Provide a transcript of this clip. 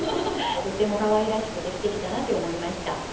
とってもかわいらしくてすてきだなって思いました。